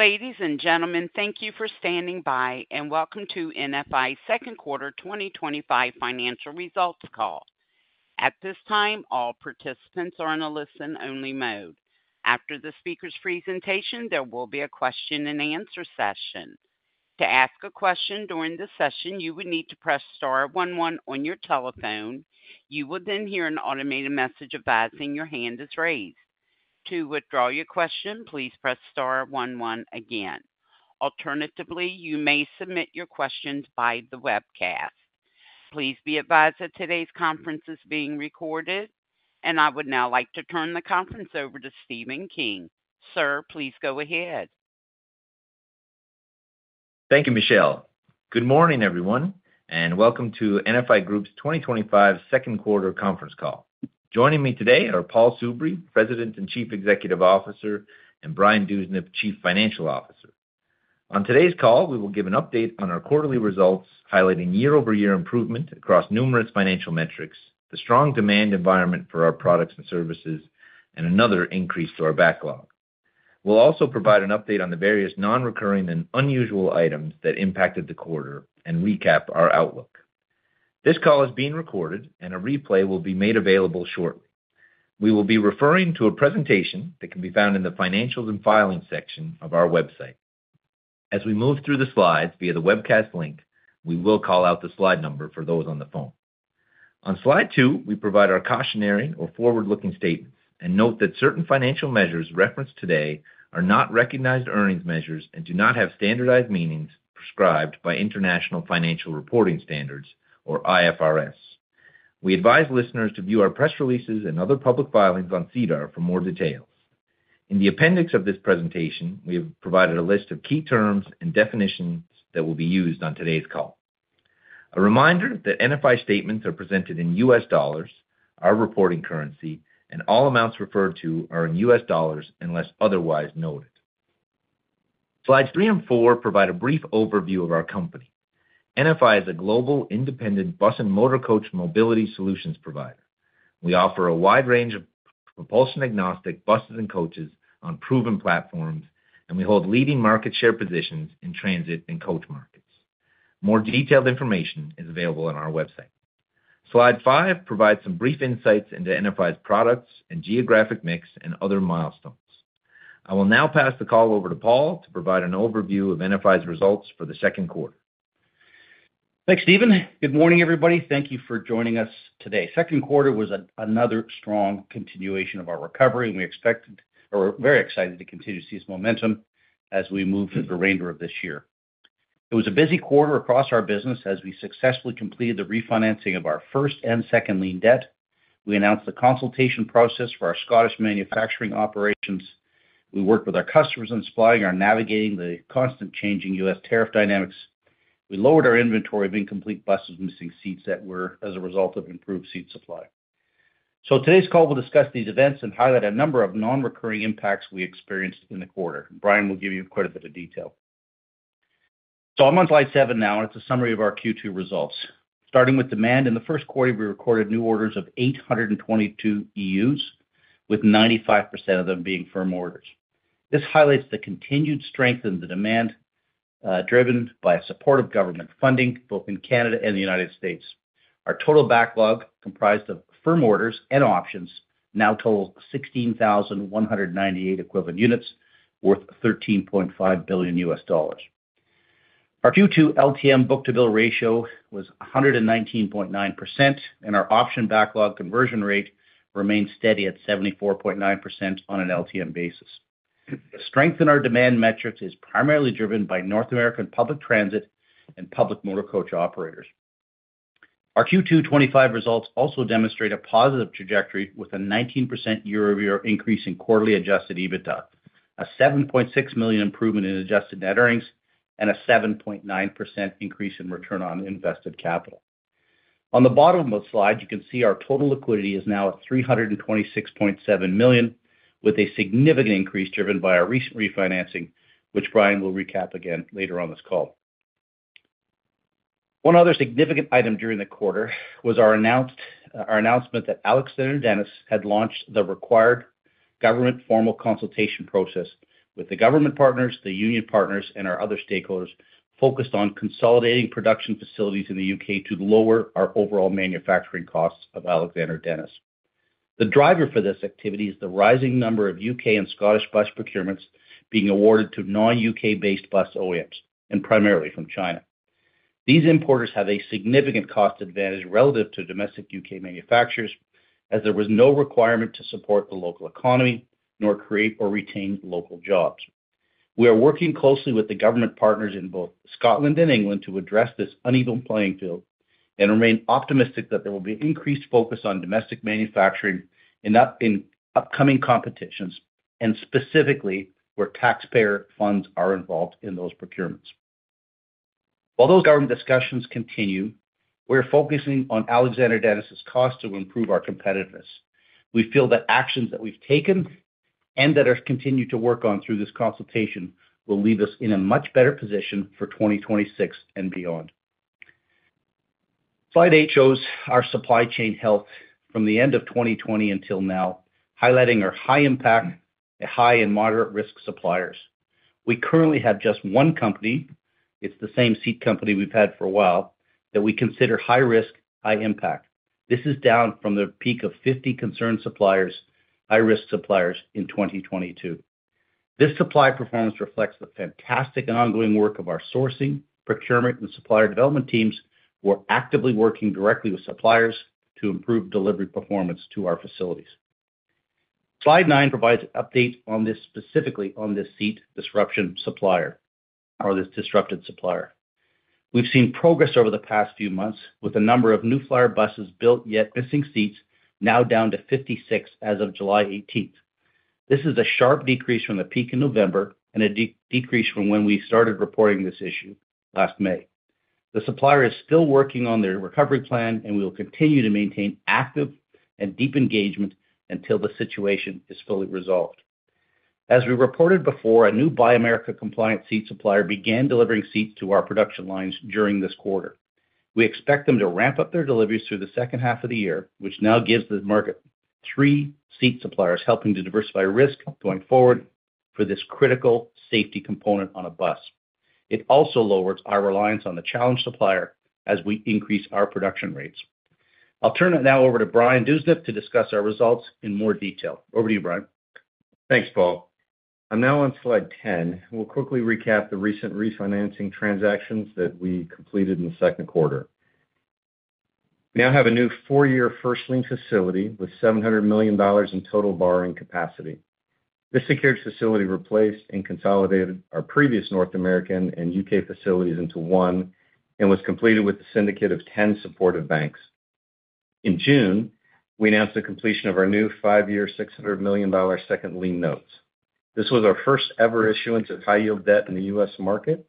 Ladies and gentlemen, thank you for standing by and welcome to NFI's second quarter 2025 financial results call. At this time, all participants are in a listen-only mode. After the speaker's presentation, there will be a question and answer session. To ask a question during the session, you would need to press star one one on your telephone. You will then hear an automated message advising your hand is raised. To withdraw your question, please press star one one again. Alternatively, you may submit your questions by the webcast. Please be advised that today's conference is being recorded, and I would now like to turn the conference over to Stephen King. Sir, please go ahead. Thank you, Michelle. Good morning, everyone, and welcome to NFI Group's 2025 second quarter conference call. Joining me today are Paul Soubry, President and Chief Executive Officer, and Brian Dewsnup, Chief Financial Officer. On today's call, we will give an update on our quarterly results, highlighting year-over-year improvement across numerous financial metrics, the strong demand environment for our products and services, and another increase to our backlog. We'll also provide an update on the various non-recurring and unusual items that impacted the quarter and recap our outlook. This call is being recorded, and a replay will be made available shortly. We will be referring to a presentation that can be found in the Financials and Filings section of our website. As we move through the slides via the webcast link, we will call out the slide number for those on the phone. On slide two, we provide our cautionary or forward-looking statement and note that certain financial measures referenced today are not recognized earnings measures and do not have standardized meanings prescribed by International Financial Reporting Standards, or IFRS. We advise listeners to view our press releases and other public filings on SEDAR for more detail. In the appendix of this presentation, we have provided a list of key terms and definitions that will be used on today's call. A reminder that NFI statements are presented in US dollars, our reporting currency, and all amounts referred to are in US dollars unless otherwise noted. Slides three and four provide a brief overview of our company. NFI is a global independent bus and motor coach mobility solutions provider. We offer a wide range of propulsion-agnostic buses and coaches on proven platforms, and we hold leading market share positions in transit and coach markets. More detailed information is available on our website. Slide five provides some brief insights into enterprise products and geographic mix and other milestones. I will now pass the call over to Paul to provide an overview of enterprise results for the second quarter. Thanks, Stephen. Good morning, everybody. Thank you for joining us today. Second quarter was another strong continuation of our recovery, and we expected, or are very excited to continue to see this momentum as we move through the remainder of this year. It was a busy quarter across our business as we successfully completed the refinancing of our first and second lien debt. We announced the consultation process for our Scottish manufacturing operations. We worked with our customers in supplying and navigating the constantly changing U.S. tariff dynamics. We lowered our inventory of incomplete buses missing seats that were as a result of improved seat supply. Today's call will discuss these events and highlight a number of non-recurring impacts we experienced in the quarter. Brian will give you quite a bit of detail. I'm on slide seven now, and it's a summary of our Q2 results. Starting with demand, in the first quarter, we recorded new orders of 822 EUs, with 95% of them being firm orders. This highlights the continued strength in the demand, driven by supportive government funding both in Canada and the United States. Our total backlog, comprised of firm orders and options, now totals 16,198 equivalent units, worth $13.5 billion. Our Q2 LTM book-to-bill ratio was 119.9%, and our option backlog conversion rate remains steady at 74.9% on an LTM basis. The strength in our demand metrics is primarily driven by North American public transit and public motor coach operators. Our Q2 2025 results also demonstrate a positive trajectory with a 19% year-over-year increase in quarterly adjusted EBITDA, a $7.6 million improvement in adjusted net earnings, and a 7.9% increase in return on invested capital. On the bottom of the slide, you can see our total liquidity is now at $326.7 million, with a significant increase driven by our recent refinancing, which Brian will recap again later on this call. One other significant item during the quarter was our announcement that Alexander Dennis had launched the required government formal consultation process with the government partners, the union partners, and our other stakeholders focused on consolidating production facilities in the U.K. to lower our overall manufacturing costs of Alexander Dennis. The driver for this activity is the rising number of U.K. and Scottish bus procurements being awarded to non-U.K.-based bus OEMs, and primarily from China. These importers have a significant cost advantage relative to domestic U.K. manufacturers, as there was no requirement to support the local economy nor create or retain local jobs. We are working closely with the government partners in both Scotland and England to address this uneven playing field and remain optimistic that there will be increased focus on domestic manufacturing in upcoming competitions, specifically where taxpayer funds are involved in those procurements. While those government discussions continue, we're focusing on Alexander Dennis's cost to improve our competitiveness. We feel that actions that we've taken and that are continued to work on through this consultation will lead us in a much better position for 2026 and beyond. Slide eight shows our supply chain health from the end of 2020 until now, highlighting our high-impact, high, and moderate-risk suppliers. We currently have just one company. It's the same seat company we've had for a while that we consider high-risk, high-impact. This is down from the peak of 50 concerned suppliers, high-risk suppliers in 2022. This supply performance reflects the fantastic and ongoing work of our sourcing, procurement, and supplier development teams, who are actively working directly with suppliers to improve delivery performance to our facilities. Slide nine provides an update on this specifically on this seat disruption supplier, or this disrupted supplier. We've seen progress over the past few months with a number of New Flyer buses built yet missing seats, now down to 56 as of July 18th. This is a sharp decrease from the peak in November and a decrease from when we started reporting this issue last May. The supplier is still working on their recovery plan, and we will continue to maintain active and deep engagement until the situation is fully resolved. As we reported before, a new Buy America compliant seat supplier began delivering seats to our production lines during this quarter. We expect them to ramp up their deliveries through the second half of the year, which now gives the market three seat suppliers helping to diversify risk going forward for this critical safety component on a bus. It also lowers our reliance on the challenged supplier as we increase our production rates. I'll turn it now over to Brian Dewsnup to discuss our results in more detail. Over to you, Brian. Thanks, Paul. I'm now on slide 10. We'll quickly recap the recent refinancing transactions that we completed in the second quarter. We now have a new four-year first lien facility with $700 million in total borrowing capacity. This secured facility replaced and consolidated our previous North American and U.K. facilities into one and was completed with a syndicate of 10 supportive banks. In June, we announced the completion of our new five-year $600 million second lien notes. This was our first ever issuance of high-yield debt in the U.S. market,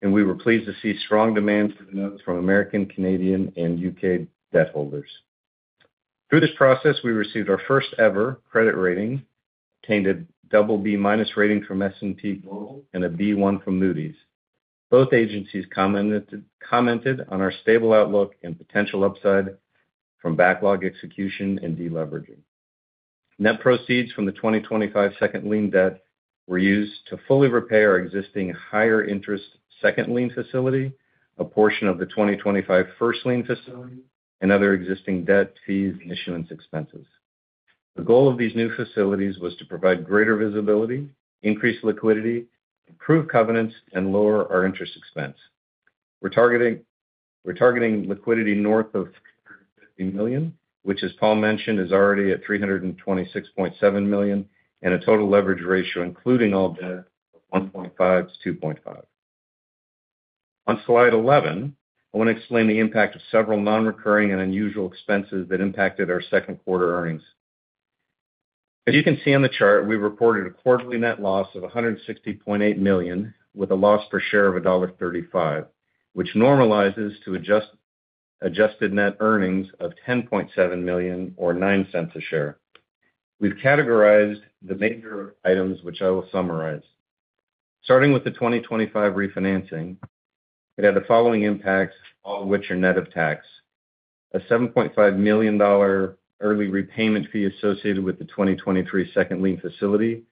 and we were pleased to see strong demand for the notes from American, Canadian, and U.K. debt holders. Through this process, we received our first ever credit rating, obtained a BB- rating from S&P Global and a B1 from Moody’s. Both agencies commented on our stable outlook and potential upside from backlog execution and deleveraging. Net proceeds from the 2025 second lien debt were used to fully repay our existing higher interest second lien facility, a portion of the 2025 first lien facility, and other existing debt fees and issuance expenses. The goal of these new facilities was to provide greater visibility, increase liquidity, improve covenants, and lower our interest expense. We're targeting liquidity north of $350 million, which, as Paul mentioned, is already at $326.7 million and a total leverage ratio, including all debt, 1.5-2.5. On slide 11, I want to explain the impact of several non-recurring and unusual expenses that impacted our second quarter earnings. As you can see on the chart, we reported a quarterly net loss of $160.8 million with a loss per share of $1.35, which normalizes to adjusted net earnings of $10.7 million or $0.09 a share. We've categorized the major items, which I will summarize. Starting with the 2025 refinancing, it had the following impacts, all of which are net of tax. A $7.5 million early repayment fee associated with the 2023 second lien facility,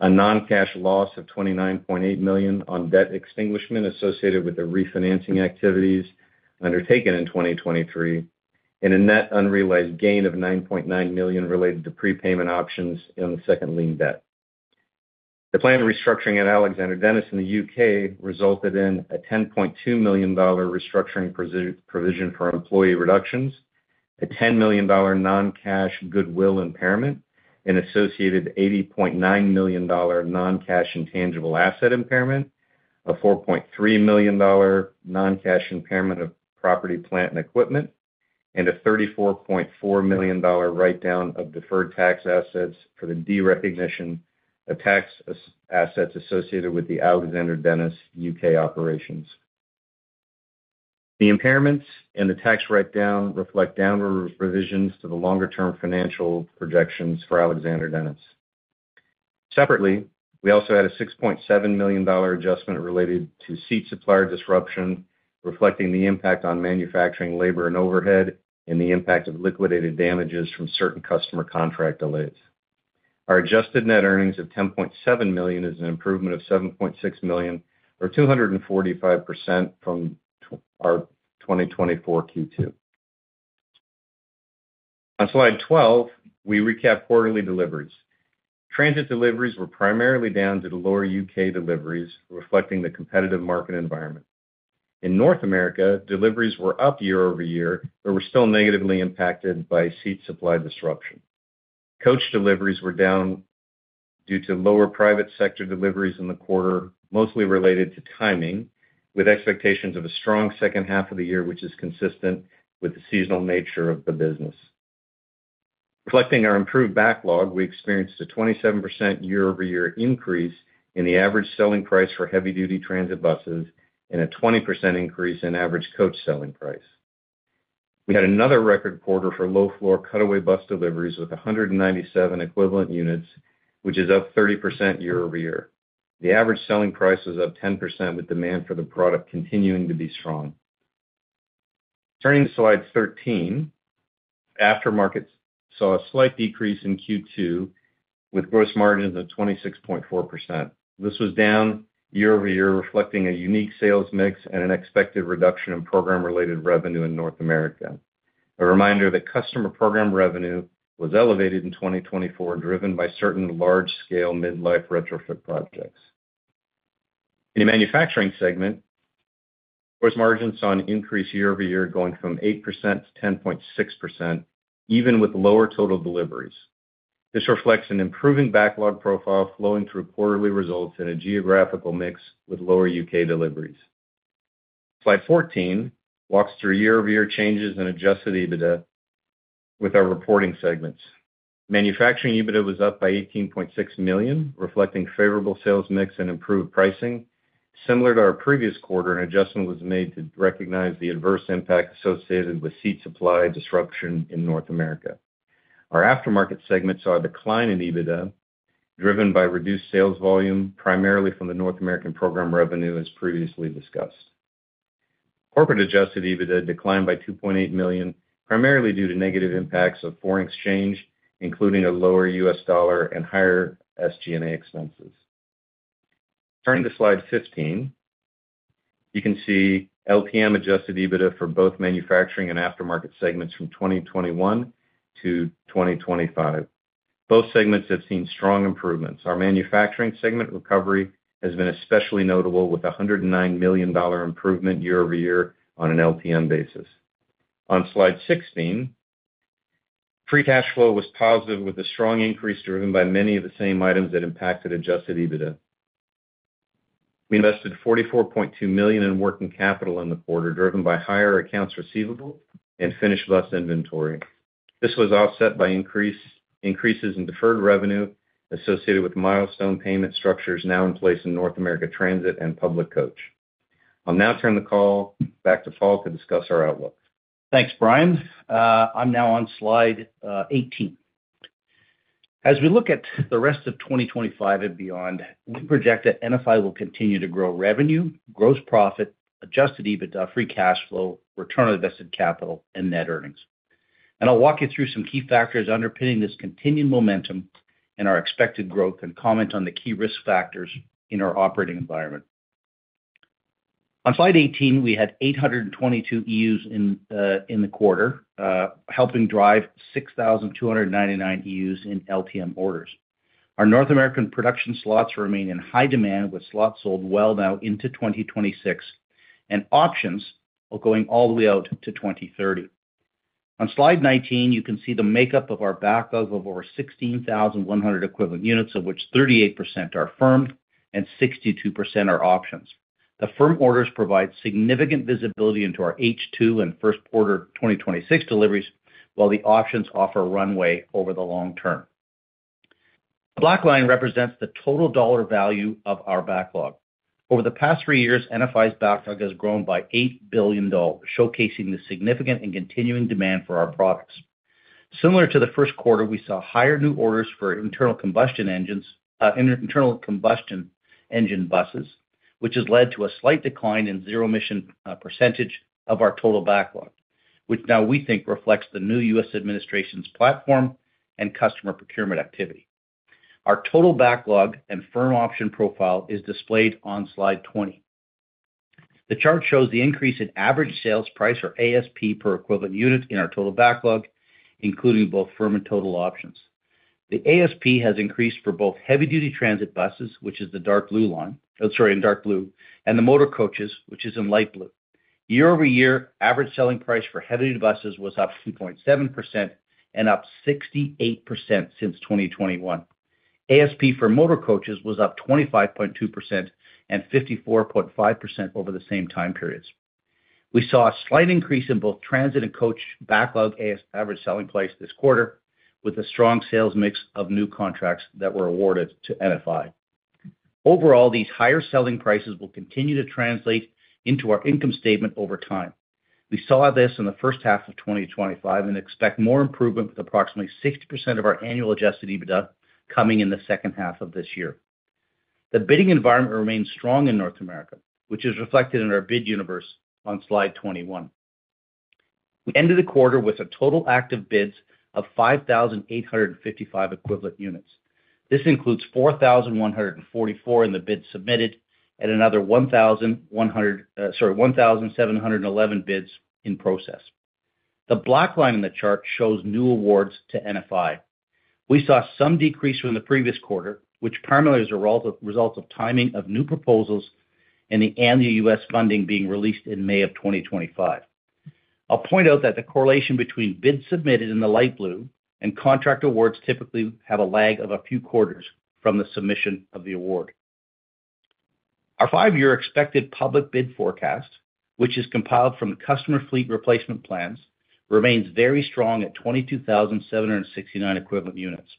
a non-cash loss of $29.8 million on debt extinguishment associated with the refinancing activities undertaken in 2023, and a net unrealized gain of $9.9 million related to prepayment options in the second lien debt. The plan to restructure at Alexander Dennis in the U.K. resulted in a $10.2 million restructuring provision for employee reductions, a $10 million non-cash goodwill impairment, an associated $80.9 million non-cash intangible asset impairment, a $4.3 million non-cash impairment of property, plant, and equipment, and a $34.4 million write-down of deferred tax assets for the derecognition of tax assets associated with the Alexander Dennis U.K. operations. The impairments and the tax write-down reflect downward revisions to the longer-term financial projections for Alexander Dennis. Separately, we also had a $6.7 million adjustment related to seat supplier disruption, reflecting the impact on manufacturing labor and overhead and the impact of liquidated damages from certain customer contract delays. Our adjusted net earnings of $10.7 million is an improvement of $7.6 million, or 245% from our 2024 Q2. On slide 12, we recap quarterly deliveries. Transit deliveries were primarily down due to lower U.K. deliveries, reflecting the competitive market environment. In North America, deliveries were up year-over-year, but were still negatively impacted by seat supply disruption. Coach deliveries were down due to lower private sector deliveries in the quarter, mostly related to timing, with expectations of a strong second half of the year, which is consistent with the seasonal nature of the business. Reflecting our improved backlog, we experienced a 27% year-over-year increase in the average selling price for heavy-duty transit buses and a 20% increase in average coach selling price. We had another record quarter for low-floor cutaway bus deliveries with 197 equivalent units, which is up 30% year-over-year. The average selling price was up 10%, with demand for the product continuing to be strong. Turning to slide 13, aftermarkets saw a slight decrease in Q2 with gross margins of 26.4%. This was down year-over-year, reflecting a unique sales mix and an expected reduction in program-related revenue in North America. A reminder that customer program revenue was elevated in 2024, driven by certain large-scale midlife retrofit projects. In the manufacturing segment, gross margins saw an increase year-over-year, going from 8%-10.6%, even with lower total deliveries. This reflects an improving backlog profile flowing through quarterly results in a geographical mix with lower U.K. deliveries. Slide 14 walks through year-over-year changes in adjusted EBITDA with our reporting segments. Manufacturing EBITDA was up by $18.6 million, reflecting favorable sales mix and improved pricing. Similar to our previous quarter, an adjustment was made to recognize the adverse impact associated with seat supply disruption in North America. Our aftermarket segments saw a decline in EBITDA driven by reduced sales volume, primarily from the North American program revenue, as previously discussed. Corporate adjusted EBITDA declined by $2.8 million, primarily due to negative impacts of foreign exchange, including a lower US dollar and higher SG&A expenses. Turning to slide 15, you can see LTM adjusted EBITDA for both manufacturing and aftermarket segments from 2021 to 2025. Both segments have seen strong improvements. Our manufacturing segment recovery has been especially notable with a $109 million improvement year-over-year on an LTM basis. On slide 16, free cash flow was positive with a strong increase driven by many of the same items that impacted adjusted EBITDA. We invested $44.2 million in working capital in the quarter, driven by higher accounts receivable and finished bus inventory. This was offset by increases in deferred revenue associated with milestone payment structures now in place in North America transit and public coach. I'll now turn the call back to Paul to discuss our outlook. Thanks, Brian. I'm now on slide 18. As we look at the rest of 2025 and beyond, we project that NFI will continue to grow revenue, gross profit, adjusted EBITDA, free cash flow, return on invested capital, and net earnings. I'll walk you through some key factors underpinning this continued momentum and our expected growth and comment on the key risk factors in our operating environment. On slide 18, we had 822 EUs in the quarter, helping drive 6,299 EUs in LTM orders. Our North American production slots remain in high demand, with slots sold well now into 2026 and options going all the way out to 2030. On slide 19, you can see the makeup of our backlog of over 16,100 equivalent units, of which 38% are firm and 62% are options. The firm orders provide significant visibility into our H2 and first quarter 2026 deliveries, while the options offer runway over the long term. The black line represents the total dollar value of our backlog. Over the past three years, NFI's backlog has grown by $8 billion, showcasing the significant and continuing demand for our products. Similar to the first quarter, we saw higher new orders for internal combustion engine buses, which has led to a slight decline in zero-emission percentage of our total backlog, which now we think reflects the new U.S. administration's platform and customer procurement activity. Our total backlog and firm option profile is displayed on slide 20. The chart shows the increase in average sales price, or ASP, per equivalent unit in our total backlog, including both firm and total options. The ASP has increased for both heavy-duty transit buses, which is in dark blue, and the motor coaches, which is in light blue. year-over-year, average selling price for heavy-duty buses was up 2.7% and up 68% since 2021. ASP for motor coaches was up 25.2% and 54.5% over the same time periods. We saw a slight increase in both transit and coach backlog average selling price this quarter, with a strong sales mix of new contracts that were awarded to NFI. Overall, these higher selling prices will continue to translate into our income statement over time. We saw this in the first half of 2025 and expect more improvement with approximately 60% of our annual adjusted EBITDA coming in the second half of this year. The bidding environment remains strong in North America, which is reflected in our bid universe on slide 21. We ended the quarter with a total active bids of 5,855 equivalent units. This includes 4,144 in the bids submitted and another 1,711 bids in process. The black line in the chart shows new awards to NFI. We saw some decrease from the previous quarter, which primarily is a result of timing of new proposals and the U.S. funding being released in May of 2025. I'll point out that the correlation between bids submitted in the light blue and contract awards typically have a lag of a few quarters from the submission of the award. Our five-year expected public bid forecast, which is compiled from customer fleet replacement plans, remains very strong at 22,769 equivalent units.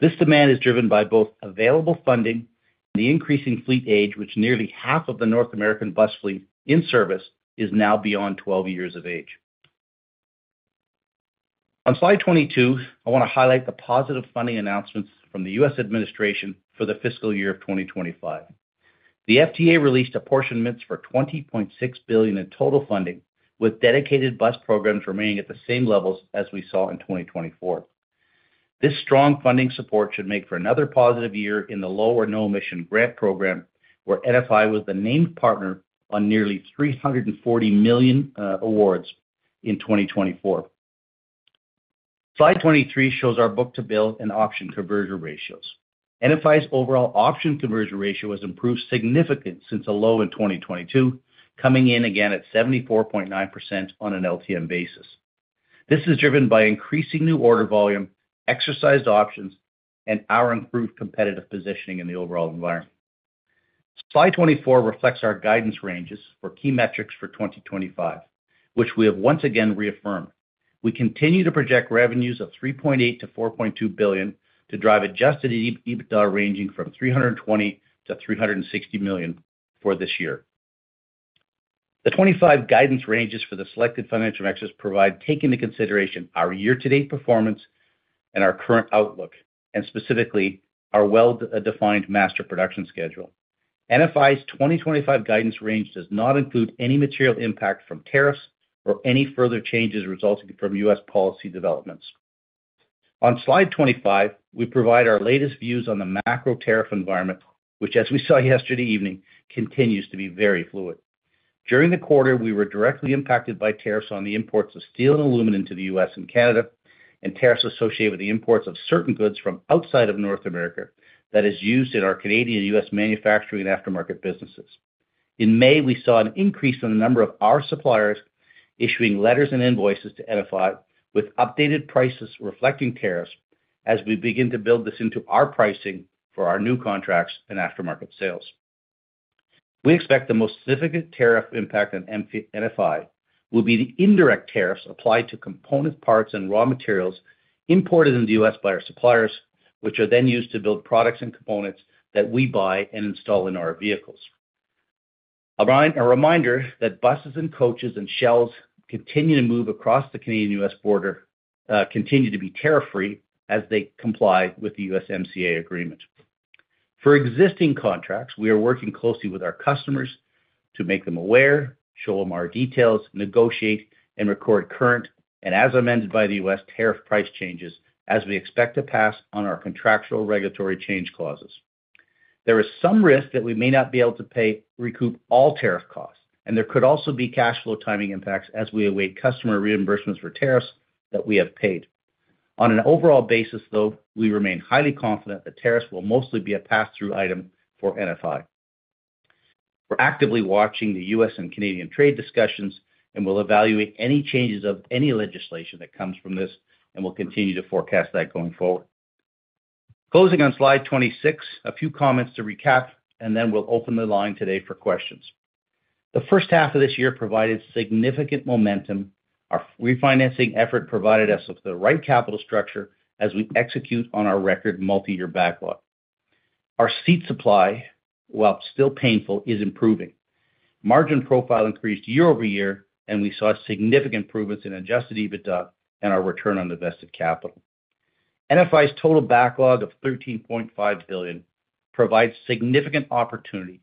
This demand is driven by both available funding and the increasing fleet age, with nearly half of the North American bus fleet in service now beyond 12 years of age. On slide 22, I want to highlight the positive funding announcements from the U.S. administration for the fiscal year of 2025. The FTA released apportionments for $20.6 billion in total funding, with dedicated bus programs remaining at the same levels as we saw in 2024. This strong funding support should make for another positive year in the Low or No-Emission Grant Program, where NFI was the named partner on nearly $340 million awards in 2024. Slide 23 shows our book-to-bill and option conversion ratios. NFI's overall option conversion ratio has improved significantly since a low in 2022, coming in again at 74.9% on an LTM basis. This is driven by increasing new order volume, exercised options, and our improved competitive positioning in the overall environment. Slide 24 reflects our guidance ranges for key metrics for 2025, which we have once again reaffirmed. We continue to project revenues of $3.8 billion-$4.2 billion to drive adjusted EBITDA ranging from $320 million-$360 million for this year. The 2025 guidance ranges for the selected financial metrics take into consideration our year-to-date performance and our current outlook, and specifically our well-defined master production schedule. NFI's 2025 guidance range does not include any material impact from tariffs or any further changes resulting from U.S. policy developments. On slide 25, we provide our latest views on the macro tariff environment, which, as we saw yesterday evening, continues to be very fluid. During the quarter, we were directly impacted by tariffs on the imports of steel and aluminum to the U.S. and Canada, and tariffs associated with the imports of certain goods from outside of North America that are used in our Canadian and U.S. manufacturing and aftermarket businesses. In May, we saw an increase in the number of our suppliers issuing letters and invoices to NFI with updated prices reflecting tariffs as we begin to build this into our pricing for our new contracts and aftermarket sales. We expect the most significant tariff impact on NFI will be the indirect tariffs applied to component parts and raw materials imported into the U.S. by our suppliers, which are then used to build products and components that we buy and install in our vehicles. A reminder that buses and coaches and shells continue to move across the Canadian-U.S. border continue to be tariff-free as they comply with the USMCA agreement. For existing contracts, we are working closely with our customers to make them aware, show them our details, negotiate, and record current and as amended by the U.S. tariff price changes as we expect to pass on our contractual regulatory change clauses. There is some risk that we may not be able to recoup all tariff costs, and there could also be cash flow timing impacts as we await customer reimbursements for tariffs that we have paid. On an overall basis, though, we remain highly confident that tariffs will mostly be a pass-through item for NFI. We're actively watching the U.S. and Canadian trade discussions, and we'll evaluate any changes of any legislation that comes from this, and we'll continue to forecast that going forward. Closing on slide 26, a few comments to recap, and then we'll open the line today for questions. The first half of this year provided significant momentum. Our refinancing effort provided us with the right capital structure as we execute on our record multi-year backlog. Our seat supply, while still painful, is improving. Margin profile increased year-over-year, and we saw significant improvements in adjusted EBITDA and our return on invested capital. NFI's total backlog of $13.5 billion provides significant opportunity,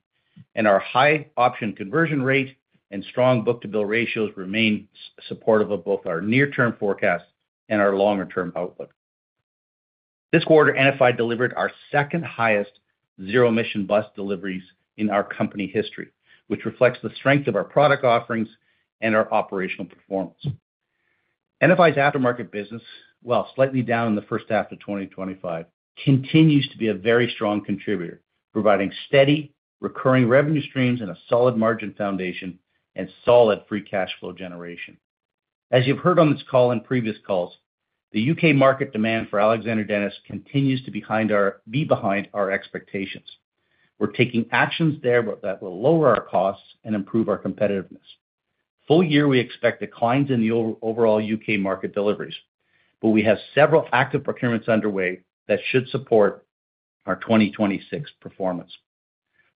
and our high option conversion rate and strong book-to-bill ratios remain supportive of both our near-term forecast and our longer-term outlook. This quarter, NFI delivered our second highest zero-emission bus deliveries in our company history, which reflects the strength of our product offerings and our operational performance. NFI's aftermarket business, while slightly down in the first half of 2025, continues to be a very strong contributor, providing steady recurring revenue streams and a solid margin foundation and solid free cash flow generation. As you've heard on this call and previous calls, the U.K, market demand for Alexander Dennis continues to be behind our expectations. We're taking actions there that will lower our costs and improve our competitiveness. Full year, we expect declines in the overall U.K. market deliveries, but we have several active procurements underway that should support our 2026 performance.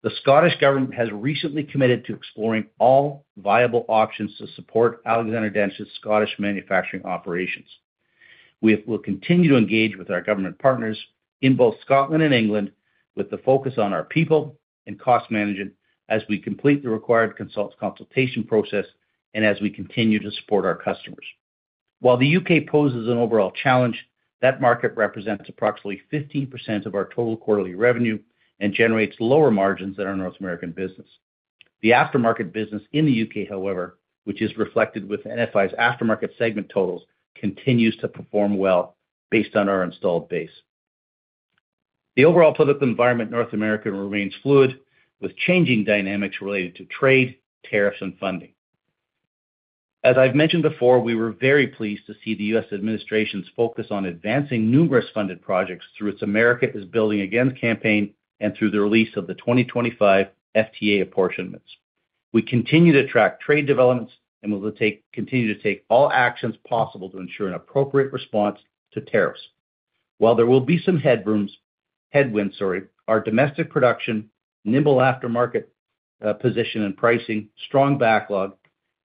The Scottish government has recently committed to exploring all viable options to support Alexander Dennis's Scottish manufacturing operations. We will continue to engage with our government partners in both Scotland and England, with the focus on our people and cost management as we complete the required consultation process and as we continue to support our customers. While the U.K. poses an overall challenge, that market represents approximately 15% of our total quarterly revenue and generates lower margins than our North American business. The aftermarket business in the U.K., however, which is reflected with NFI's aftermarket segment totals, continues to perform well based on our installed base. The overall political environment in North America remains fluid with changing dynamics related to trade, tariffs, and funding. As I've mentioned before, we were very pleased to see the U.S. administration's focus on advancing numerous funded projects through its America Is Building Again campaign and through the release of the 2025 FTA apportionments. We continue to track trade developments and will continue to take all actions possible to ensure an appropriate response to tariffs. While there will be some headwinds, our domestic production, nimble aftermarket position and pricing, strong backlog,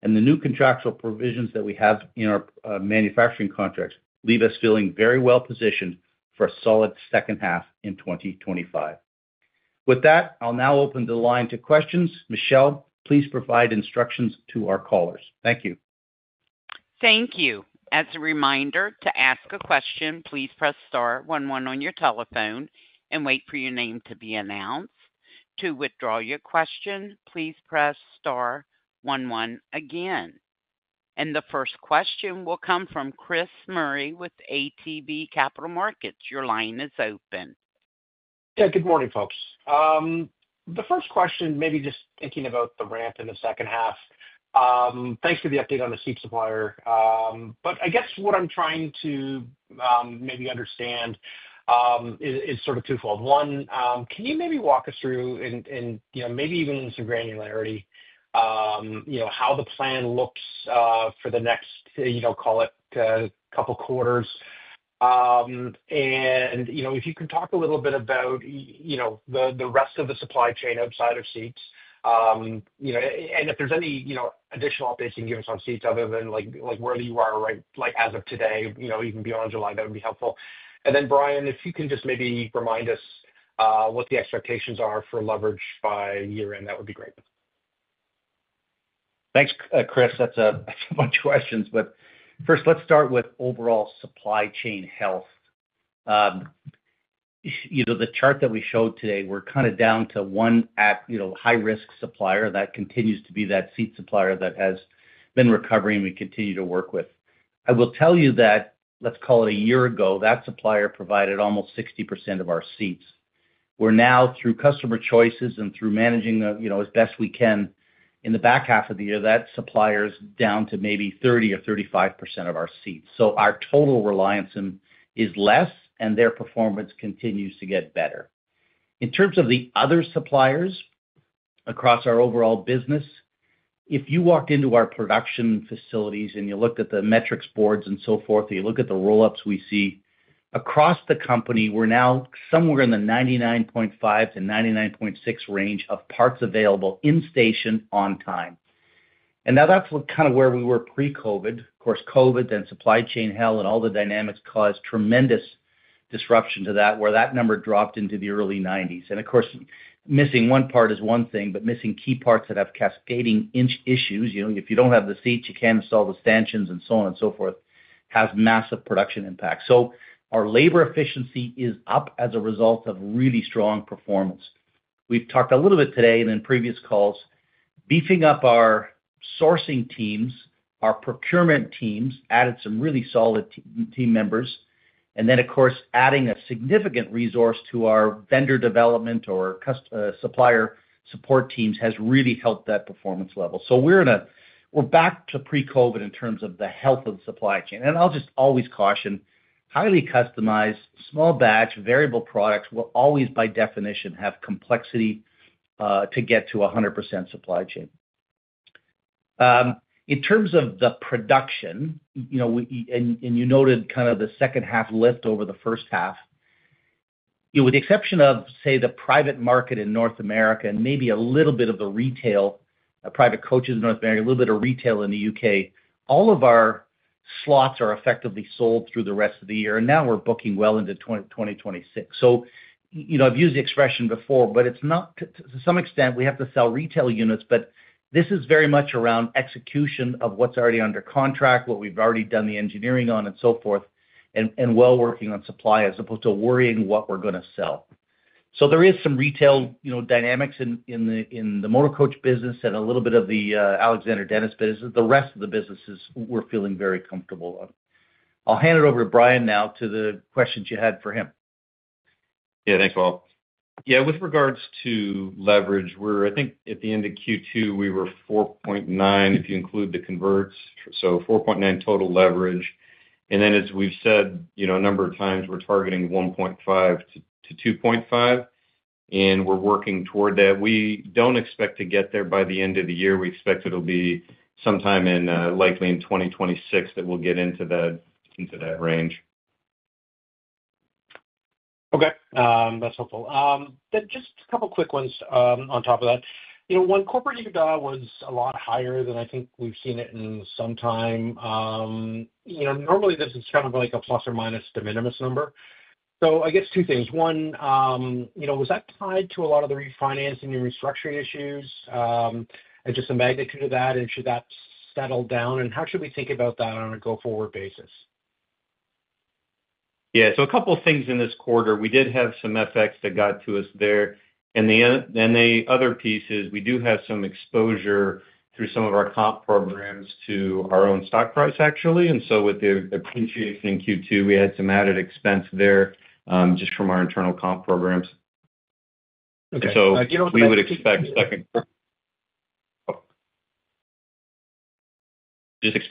and the new contractual provisions that we have in our manufacturing contracts leave us feeling very well positioned for a solid second half in 2025. With that, I'll now open the line to questions. Michelle, please provide instructions to our callers. Thank you. Thank you. As a reminder, to ask a question, please press star one one on your telephone and wait for your name to be announced. To withdraw your question, please press star one one again. The first question will come from Chris Murray with ATB Capital Markets. Your line is open. Yeah, good morning, folks. The first question, maybe just thinking about the ramp in the second half. Thanks for the update on the seat supplier. I guess what I'm trying to maybe understand is sort of twofold. One, can you maybe walk us through, and, you know, maybe even in some granularity, how the plan looks for the next, you know, call it, couple quarters? If you can talk a little bit about the rest of the supply chain outside of seats, and if there's any additional updates you can give us on seats other than, like, where you are, right, as of today, even beyond July, that would be helpful. Brian, if you can just maybe remind us what the expectations are for leverage by year-end, that would be great. Thanks, Chris. That's a bunch of questions, but first, let's start with overall supply chain health. The chart that we showed today, we're kind of down to one high-risk supplier that continues to be that seat supplier that has been recovering and we continue to work with. I will tell you that, let's call it a year ago, that supplier provided almost 60% of our seats. We're now, through customer choices and through managing the, you know, as best we can, in the back half of the year, that supplier is down to maybe 30% or 35% of our seats. Our total reliance is less, and their performance continues to get better. In terms of the other suppliers across our overall business, if you walk into our production facilities and you look at the metrics boards and so forth, or you look at the roll-ups we see, across the company, we're now somewhere in the 99.5%-99.6% range of parts available in station on time. That's kind of where we were pre-COVID. Of course, COVID, then supply chain hell, and all the dynamics caused tremendous disruption to that, where that number dropped into the early 90%. Missing one part is one thing, but missing key parts that have cascading issues, if you don't have the seats, you can't install the stanchions, and so on and so forth, have massive production impacts. Our labor efficiency is up as a result of really strong performance. We've talked a little bit today and in previous calls, beefing up our sourcing teams, our procurement teams, added some really solid team members, and then, of course, adding a significant resource to our vendor development or supplier support teams has really helped that performance level. We're back to pre-COVID in terms of the health of the supply chain. I'll just always caution, highly customized, small batch, variable products will always, by definition, have complexity to get to 100% supply chain. In terms of the production, you noted kind of the second half lift over the first half, with the exception of, say, the private market in North America and maybe a little bit of the retail, private coaches in North America, a little bit of retail in the U.K., all of our slots are effectively sold through the rest of the year, and now we're booking well into 2026. I've used the expression before, but it's not to some extent, we have to sell retail units, but this is very much around execution of what's already under contract, what we've already done the engineering on, and so forth, and working on supply as opposed to worrying what we're going to sell. There is some retail dynamics in the motor coach business and a little bit of the Alexander Dennis business. The rest of the businesses we're feeling very comfortable on. I'll hand it over to Brian now to the questions you had for him. Yeah, thanks, Paul. With regards to leverage, we're, I think, at the end of Q2, we were 4.9 if you include the converts. So 4.9 total leverage. As we've said a number of times, we're targeting 1.5-2.5, and we're working toward that. We don't expect to get there by the end of the year. We expect it'll be sometime in likely in 2026 that we'll get into that range. Okay. That's helpful. Just a couple of quick ones on top of that. You know, when corporate EBITDA was a lot higher than I think we've seen it in some time, normally there's this kind of like a plus or minus de minimis number. I guess two things. One, was that tied to a lot of the refinancing and restructuring issues and just the magnitude of that, and should that settle down? How should we think about that on a go-forward basis? Yeah, a couple of things in this quarter. We did have some FX that got to us there. The other piece is we do have some exposure through some of our comp programs to our own stock price, actually. With the appreciation in Q2, we had some added expense there, just from our internal comp programs. Okay. We would expect in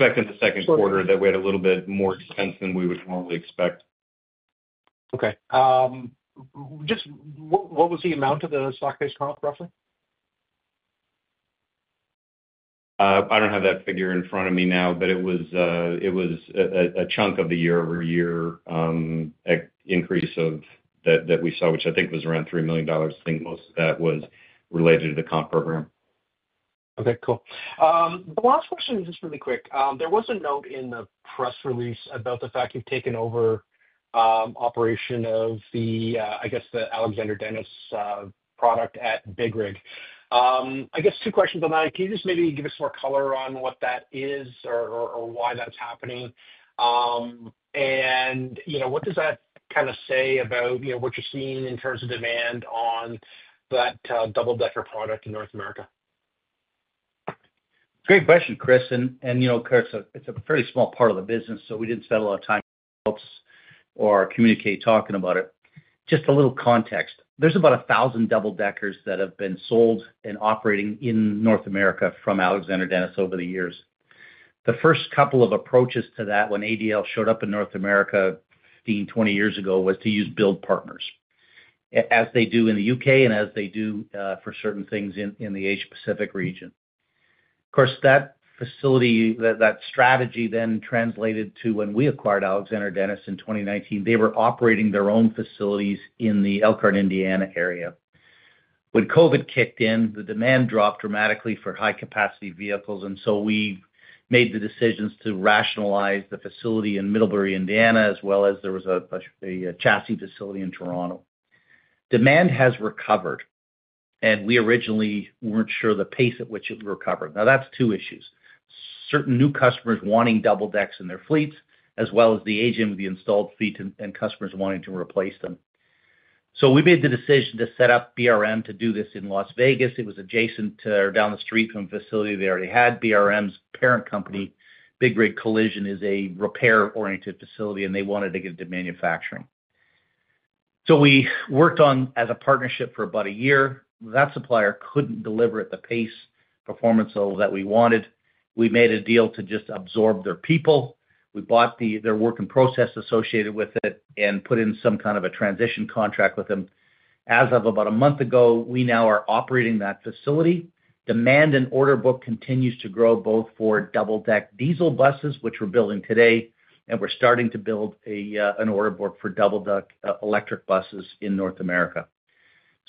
the second quarter that we had a little bit more expense than we would normally expect. Okay. Just what was the amount of the stock-based comp, roughly? I don't have that figure in front of me now, but it was a chunk of the year-over-year increase that we saw, which I think was around $3 million. I think most of that was related to the comp program. Okay, cool. The last question is just really quick. There was a note in the press release about the fact you've taken over the operation of the, I guess, the Alexander Dennis product at Big Rig. I guess two questions on that. Can you just maybe give us more color on what that is or why that's happening? You know, what does that kind of say about, you know, what you're seeing in terms of demand on that double-decker product in North America? Great question, Chris. It's a fairly small part of the business, so we didn't spend a lot of time in the notes or communicate talking about it. Just a little context. There's about 1,000 double-deckers that have been sold and operating in North America from Alexander Dennis over the years. The first couple of approaches to that when AlD showed up in North America, 15 years-20 years ago, was to use build partners, as they do in the U.K. and as they do for certain things in the Asia-Pacific region. That facility, that strategy then translated to when we acquired Alexander Dennis in 2019, they were operating their own facilities in the Elkhart, Indiana area. When COVID kicked in, the demand dropped dramatically for high-capacity vehicles, and we made the decisions to rationalize the facility in Middlebury, Indiana, as well as there was a chassis facility in Toronto. Demand has recovered, and we originally weren't sure the pace at which it recovered. Now, that's two issues. Certain new customers wanting double decks in their fleets, as well as the age of the installed fleet and customers wanting to replace them. We made the decision to set up BRM to do this in Las Vegas. It was adjacent to or down the street from a facility they already had. BRM's parent company, Big Rig Collision, is a repair-oriented facility, and they wanted to get it to manufacturing. We worked on as a partnership for about a year. That supplier couldn't deliver at the pace performance level that we wanted. We made a deal to just absorb their people. We bought their working process associated with it and put in some kind of a transition contract with them. As of about a month ago, we now are operating that facility. Demand and order book continues to grow both for double-deck diesel buses, which we're building today, and we're starting to build an order book for double-deck electric buses in North America.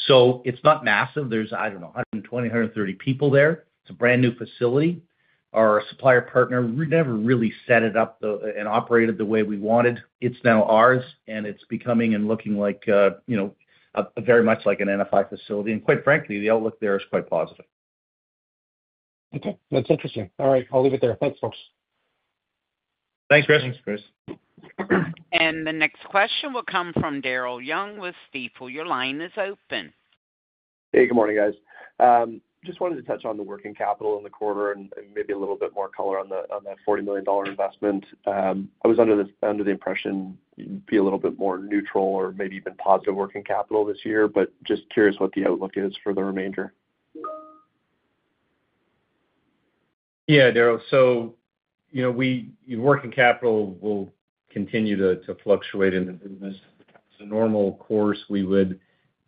It's not massive. There's, I don't know, 120 people, 130 people there. It's a brand new facility. Our supplier partner never really set it up and operated the way we wanted. It's now ours, and it's becoming and looking like, you know, very much like an NFI facility. Quite frankly, the outlook there is quite positive. Okay. That's interesting. All right, I'll leave it there. Thanks, folks. Thanks, Chris. Thanks, Chris. The next question will come from Daryl Young with Stifel. Your line is open. Hey, good morning, guys. Just wanted to touch on the working capital in the quarter and maybe a little bit more color on that $40 million investment. I was under the impression you'd be a little bit more neutral or maybe even positive working capital this year, but just curious what the outlook is for the remainder. Yeah, Daryl. Working capital will continue to fluctuate in this. The normal course, we would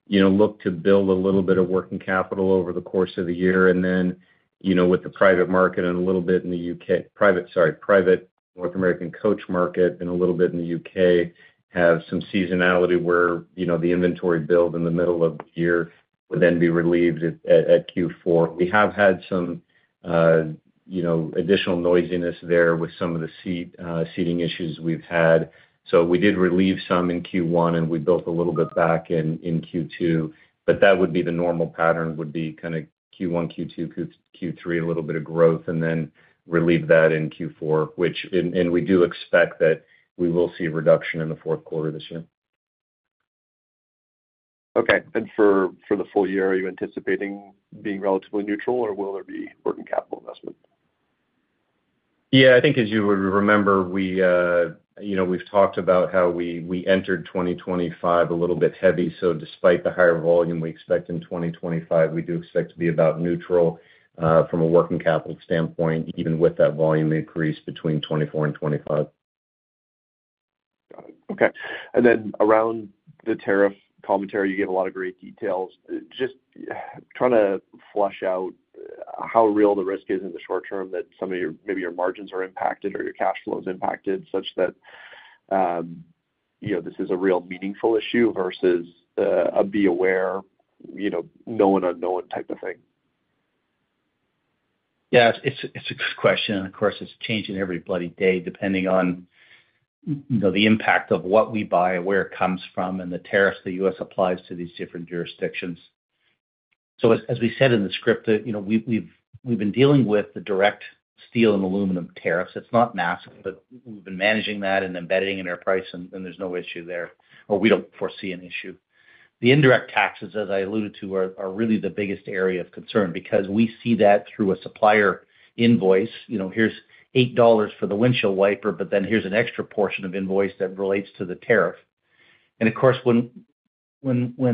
look to build a little bit of working capital over the course of the year. With the private North American coach market and a little bit in the U.K., private, sorry, private North American coach market and a little bit in the U.K. have some seasonality where the inventory build in the middle of the year would then be relieved at Q4. We have had some additional noisiness there with some of the seating issues we've had. We did relieve some in Q1, and we built a little bit back in Q2. That would be the normal pattern, would be kind of Q1, Q2, Q3, a little bit of growth, and then relieve that in Q4, which, and we do expect that we will see a reduction in the fourth quarter this year. For the full year, are you anticipating being relatively neutral, or will there be working capital investment? I think as you would remember, we've talked about how we entered 2025 a little bit heavy. Despite the higher volume we expect in 2025, we do expect to be about neutral from a working capital standpoint, even with that volume increase between 2024 and 2025. Got it. Okay. Around the tariff commentary, you gave a lot of great details. Just trying to flesh out how real the risk is in the short term that some of your, maybe your margins are impacted or your cash flow is impacted such that, you know, this is a real meaningful issue versus a be aware, you know, known unknown type of thing. Yeah, it's a good question. Of course, it's changing every bloody day depending on, you know, the impact of what we buy, where it comes from, and the tariffs the U.S. applies to these different jurisdictions. As we said in the script, we've been dealing with the direct steel and aluminum tariffs. It's not massive, but we've been managing that and embedding it in our price, and there's no issue there, or we don't foresee an issue. The indirect taxes, as I alluded to, are really the biggest area of concern because we see that through a supplier invoice. Here's $8 for the windshield wiper, but then here's an extra portion of invoice that relates to the tariff. When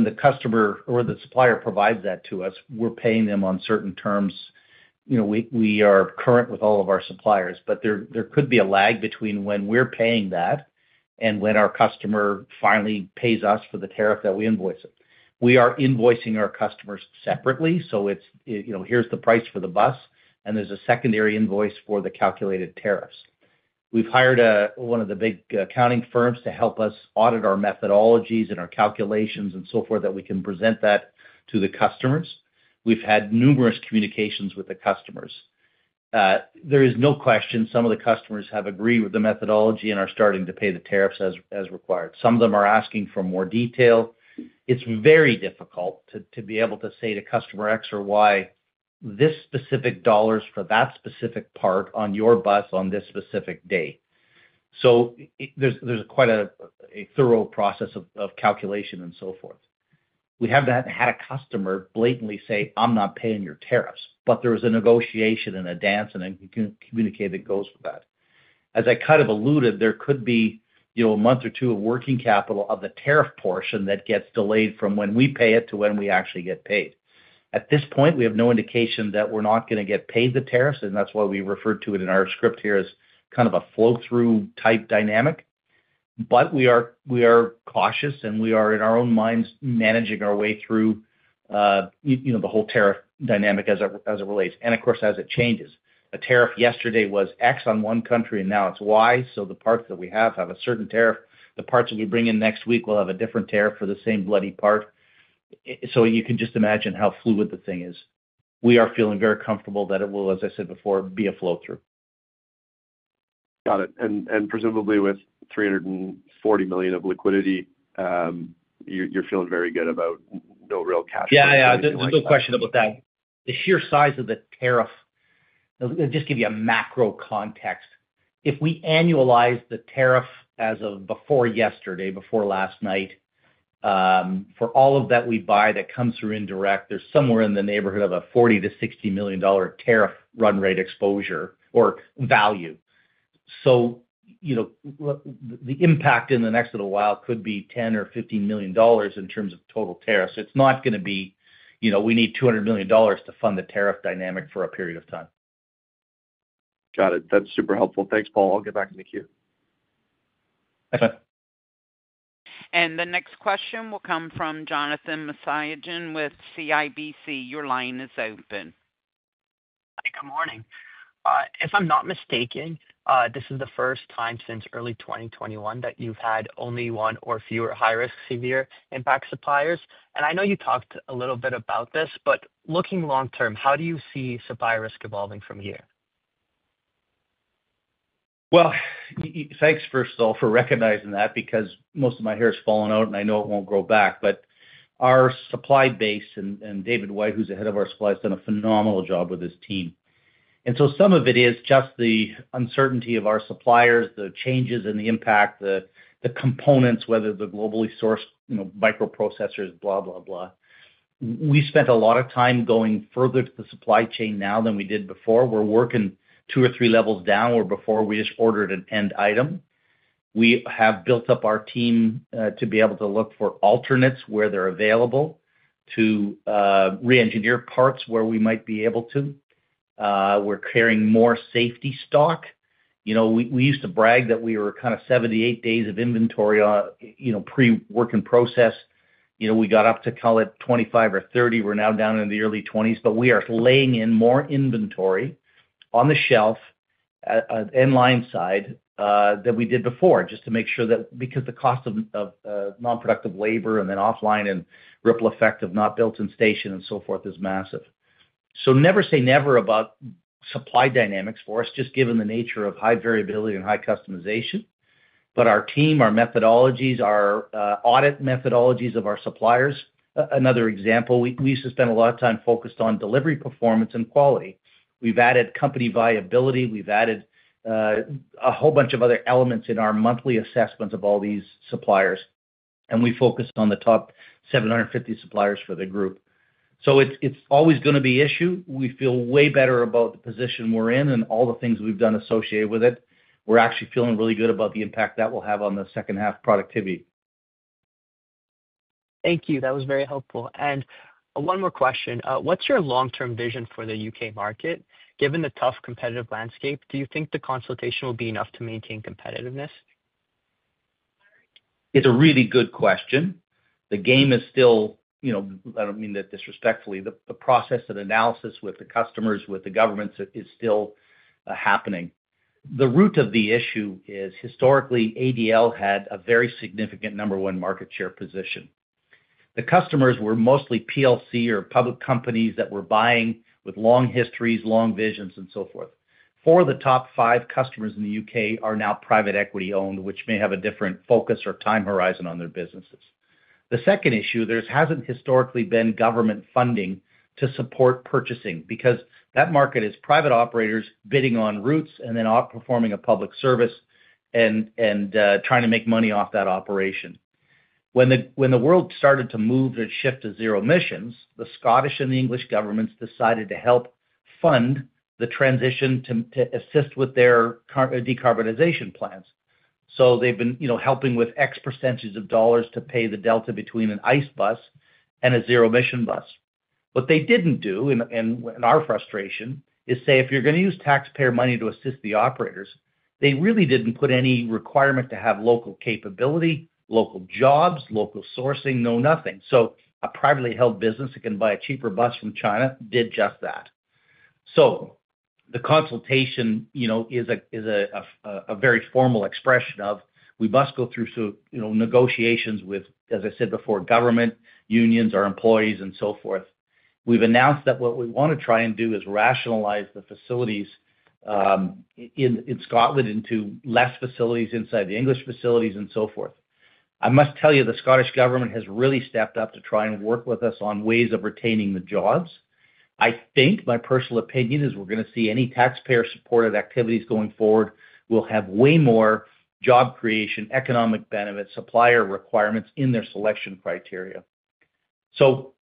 the customer or the supplier provides that to us, we're paying them on certain terms. We are current with all of our suppliers, but there could be a lag between when we're paying that and when our customer finally pays us for the tariff that we invoice. We are invoicing our customers separately. It's, you know, here's the price for the bus, and there's a secondary invoice for the calculated tariffs. We've hired one of the big accounting firms to help us audit our methodologies and our calculations and so forth that we can present that to the customers. We've had numerous communications with the customers. There is no question some of the customers have agreed with the methodology and are starting to pay the tariffs as required. Some of them are asking for more detail. It's very difficult to be able to say to customer X or Y, "This specific dollars for that specific part on your bus on this specific day." There's quite a thorough process of calculation and so forth. We have had a customer blatantly say, "I'm not paying your tariffs," but there was a negotiation in advance, and I can communicate that goes with that. As I kind of alluded, there could be a month or two of working capital of the tariff portion that gets delayed from when we pay it to when we actually get paid. At this point, we have no indication that we're not going to get paid the tariffs, and that's why we referred to it in our script here as kind of a float-through type dynamic. We are cautious, and we are, in our own minds, managing our way through the whole tariff dynamic as it relates. Of course, as it changes. A tariff yesterday was X on one country, and now it's Y. The parts that we have have a certain tariff. The parts that we bring in next week will have a different tariff for the same bloody part. You can just imagine how fluid the thing is. We are feeling very comfortable that it will, as I said before, be a flow-through. Got it. Presumably, with $340 million of liquidity, you're feeling very good about no real cash flow. Yeah, there's no question about that. The sheer size of the tariff, I'll just give you a macro context. If we annualize the tariff as of before yesterday, before last night, for all of that we buy that comes through indirect, there's somewhere in the neighborhood of a $40 million-$60 million tariff run rate exposure or value. The impact in the next little while could be $10 million or $15 million in terms of total tariffs. It's not going to be, you know, we need $200 million to fund the tariff dynamic for a period of time. Got it. That's super helpful. Thanks, Paul. I'll get back in the queue. Okay. The next question will come from Jonathan Mossiagin with CIBC. Your line is open. Hey, good morning. If I'm not mistaken, this is the first time since early 2021 that you've had only one or fewer high-risk severe impact suppliers. I know you talked a little bit about this, but looking long-term, how do you see supplier risk evolving from here? Thank you, first of all, for recognizing that because most of my hair's fallen out, and I know it won't grow back. Our supply base and David White, who's the Head of our Supply, has done a phenomenal job with his team. Some of it is just the uncertainty of our suppliers, the changes in the impact, the components, whether they're globally sourced, you know, microprocessors, blah, blah, blah. We spent a lot of time going further to the supply chain now than we did before. We're working two or three levels down where before we just ordered an end item. We have built up our team to be able to look for alternates where they're available, to re-engineer parts where we might be able to. We're carrying more safety stock. We used to brag that we were kind of 78 days of inventory on, you know, pre-working process. We got up to, call it, 25 or 30. We're now down in the early 20s, but we are laying in more inventory on the shelf, end line side, than we did before, just to make sure that because the cost of nonproductive labor and then offline and ripple effect of not built-in station and so forth is massive. Never say never about supply dynamics for us, just given the nature of high variability and high customization. Our team, our methodologies, our audit methodologies of our suppliers, another example, we used to spend a lot of time focused on delivery performance and quality. We've added company viability. We've added a whole bunch of other elements in our monthly assessments of all these suppliers. We focused on the top 750 suppliers for the group. It's always going to be an issue. We feel way better about the position we're in and all the things we've done associated with it. We're actually feeling really good about the impact that will have on the second half productivity. Thank you. That was very helpful. One more question. What's your long-term vision for the U.K. market? Given the tough competitive landscape, do you think the consultation will be enough to maintain competitiveness? It's a really good question. The game is still, you know, I don't mean that disrespectfully, the process and analysis with the customers, with the governments is still happening. The root of the issue is historically, AD had a very significant number one market share position. The customers were mostly PLC or public companies that were buying with long histories, long visions, and so forth. Four of the top five customers in the U.K. are now private equity owned, which may have a different focus or time horizon on their businesses. The second issue, there hasn't historically been government funding to support purchasing because that market is private operators bidding on routes and then outperforming a public service and trying to make money off that operation. When the world started to move to a shift to zero-emission buses, the Scottish and the English governments decided to help fund the transition to assist with their decarbonization plans. They've been, you know, helping with x percent of dollars to pay the delta between an internal combustion engine bus and a zero-emission bus. What they didn't do, and in our frustration, is say if you're going to use taxpayer money to assist the operators, they really didn't put any requirement to have local capability, local jobs, local sourcing, nothing. A privately held business that can buy a cheaper bus from China did just that. The consultation is a very formal expression of we must go through negotiations with, as I said before, government, unions, our employees, and so forth. We've announced that what we want to try and do is rationalize the facilities in Scotland into less facilities inside the English facilities and so forth. I must tell you, the Scottish government has really stepped up to try and work with us on ways of retaining the jobs. I think, my personal opinion is we're going to see any taxpayer-supported activities going forward will have way more job creation, economic benefits, supplier requirements in their selection criteria.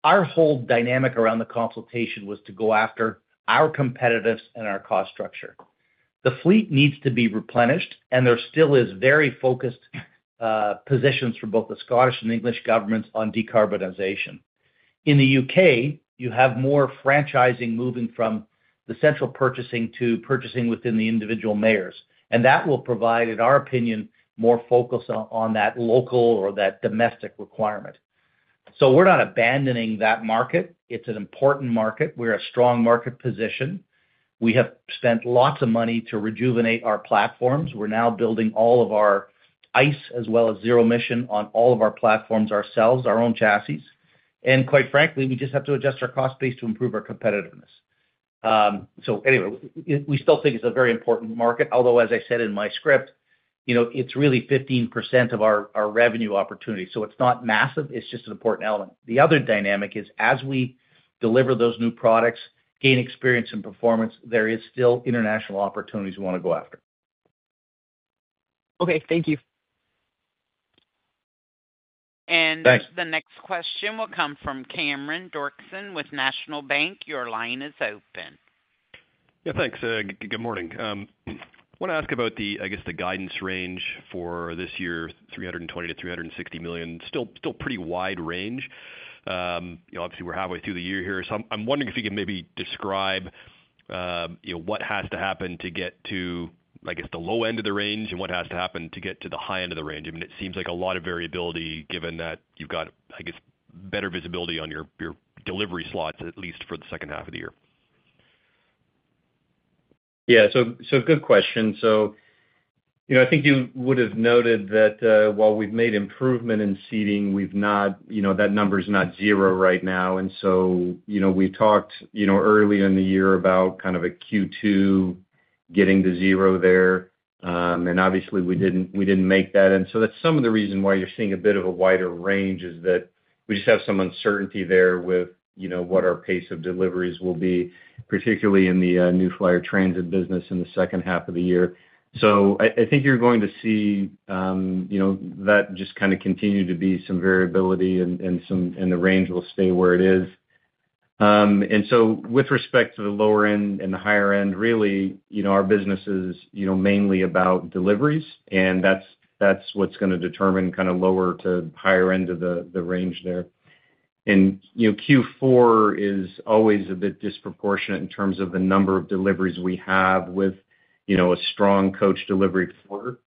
Our whole dynamic around the consultation was to go after our competitiveness and our cost structure. The fleet needs to be replenished, and there still are very focused positions for both the Scottish and English governments on decarbonization. In the U.K., you have more franchising moving from the central purchasing to purchasing within the individual mayors. That will provide, in our opinion, more focus on that local or that domestic requirement. We're not abandoning that market. It's an important market. We're in a strong market position. We have spent lots of money to rejuvenate our platforms. We're now building all of our ICE as well as zero-emission on all of our platforms ourselves, our own chassis. Quite frankly, we just have to adjust our cost base to improve our competitiveness. We still think it's a very important market, although, as I said in my script, you know, it's really 15% of our revenue opportunity. It's not massive. It's just an important element. The other dynamic is as we deliver those new products, gain experience and performance, there are still international opportunities we want to go after. Okay. Thank you. The next question will come from Cameron Doerksen with National Bank. Your line is open. Yeah, thanks. Good morning. I want to ask about the, I guess, the guidance range for this year, $320 million-$360 million. Still, still pretty wide range. You know, obviously, we're halfway through the year here. I'm wondering if you can maybe describe what has to happen to get to, I guess, the low end of the range and what has to happen to get to the high end of the range. I mean, it seems like a lot of variability given that you've got, I guess, better visibility on your delivery slots, at least for the second half of the year. Yeah, good question. I think you would have noted that while we've made improvement in seating, we've not, you know, that number is not zero right now. We talked earlier in the year about kind of a Q2 getting to zero there. Obviously, we didn't make that. That's some of the reason why you're seeing a bit of a wider range, that we just have some uncertainty there with what our pace of deliveries will be, particularly in the New Flyer transit business in the second half of the year. I think you're going to see that just kind of continue to be some variability, and the range will stay where it is. With respect to the lower end and the higher end, really, our business is mainly about deliveries, and that's what's going to determine kind of lower to higher end of the range there. Q4 is always a bit disproportionate in terms of the number of deliveries we have, with a strong coach delivery quarter.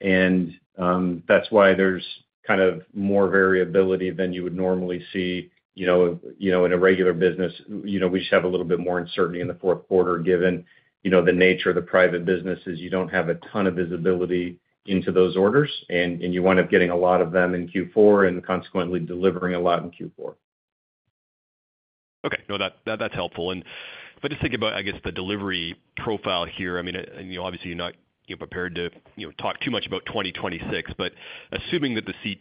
That's why there's kind of more variability than you would normally see in a regular business. We just have a little bit more uncertainty in the fourth quarter given the nature of the private businesses. You don't have a ton of visibility into those orders, and you wind up getting a lot of them in Q4 and consequently delivering a lot in Q4. Okay, that's helpful. Just think about, I guess, the delivery profile here. I mean, obviously, you're not prepared to talk too much about 2026, but assuming that the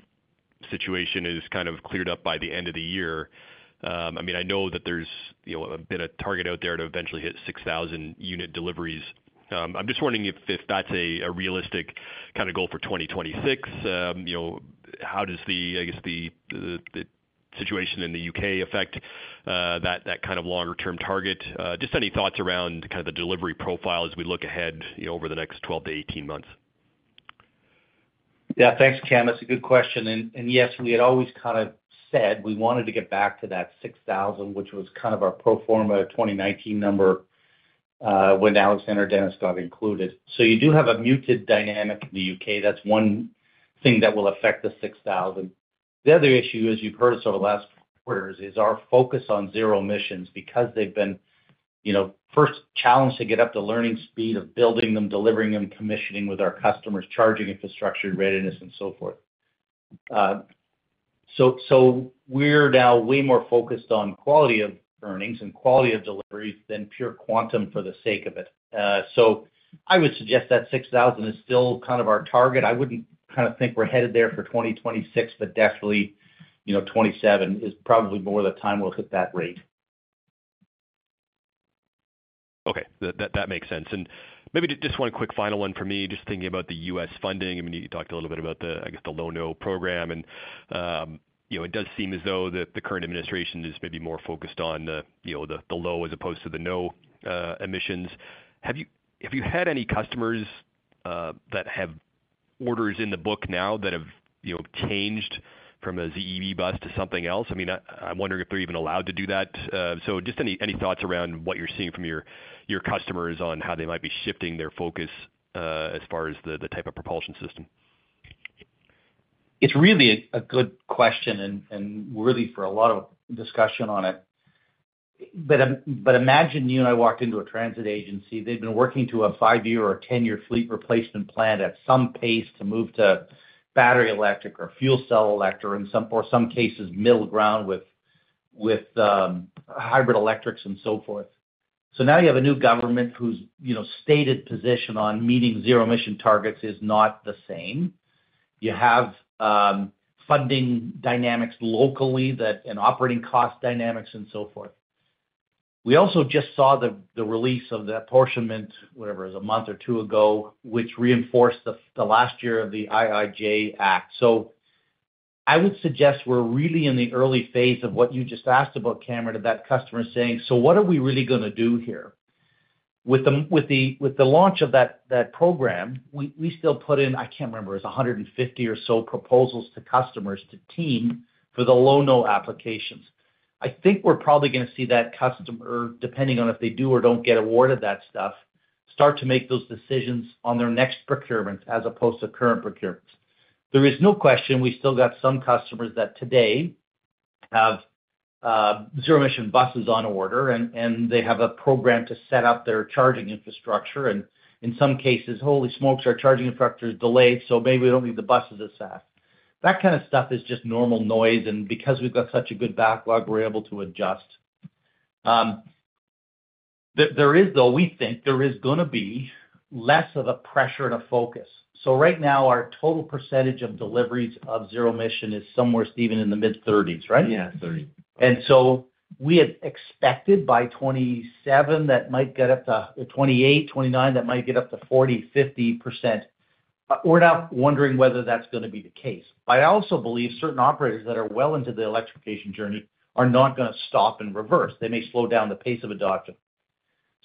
seat situation is kind of cleared up by the end of the year, I know that there's a bit of a target out there to eventually hit 6,000 unit deliveries. I'm just wondering if that's a realistic kind of goal for 2026. How does the, I guess, the situation in the UK affect that kind of longer-term target? Just any thoughts around the delivery profile as we look ahead over the next 12 months-18 months? Yeah, thanks, Cam. That's a good question. Yes, we had always kind of said we wanted to get back to that 6,000, which was kind of our pro forma 2019 number when Alexander Dennis got included. You do have a muted dynamic in the U.K. That's one thing that will affect the 6,000. The other issue is you've heard us over the last quarter is our focus on zero-emission buses because they've been, you know, first challenge to get up to learning speed of building them, delivering them, commissioning with our customers, charging infrastructure, readiness, and so forth. We're now way more focused on quality of earnings and quality of deliveries than pure quantum for the sake of it. I would suggest that 6,000 is still kind of our target. I wouldn't kind of think we're headed there for 2026, but definitely, you know, 2027 is probably more of the time we'll hit that rate. Okay. That makes sense. Maybe just one quick final one for me, just thinking about the U.S. funding. I mean, you talked a little bit about the, I guess, the Low-No program. It does seem as though the current administration is maybe more focused on the, you know, the low as opposed to the no emissions. Have you had any customers that have orders in the book now that have changed from a ZE bus to something else? I'm wondering if they're even allowed to do that. Just any thoughts around what you're seeing from your customers on how they might be shifting their focus as far as the type of propulsion system? It's really a good question and worthy for a lot of discussion on it. Imagine you and I walked into a transit agency. They'd been working to a five-year or a 10-year fleet replacement plan at some pace to move to battery-electric or fuel cell electric or, in some cases, middle ground with hybrid electrics and so forth. Now you have a new government whose, you know, stated position on meeting zero-emission targets is not the same. You have funding dynamics locally and operating cost dynamics and so forth. We also just saw the release of the apportionment, whatever, it was a month or two ago, which reinforced the last year of the IIJA. I would suggest we're really in the early phase of what you just asked about, Cameron, that customer is saying, "So what are we really going to do here?" With the launch of that program, we still put in, I can't remember, it was 150 or so proposals to customers to team for the low-no applications. I think we're probably going to see that customer, depending on if they do or don't get awarded that stuff, start to make those decisions on their next procurements as opposed to current procurements. There is no question we still got some customers that today have zero-emission buses on order, and they have a program to set up their charging infrastructure. In some cases, holy smokes, our charging infrastructure is delayed, so maybe we don't need the buses as fast. That kind of stuff is just normal noise, and because we've got such a good backlog, we're able to adjust. There is, though, we think there is going to be less of a pressure and a focus. Right now, our total percentage of deliveries of zero-emission is somewhere, Stephen, in the mid-30%, right? Yeah, 30%. We have expected by 2027 that might get up to 2028, 2029 that might get up to 40%, 50%. We're not wondering whether that's going to be the case. I also believe certain operators that are well into the electrification journey are not going to stop and reverse. They may slow down the pace of adoption.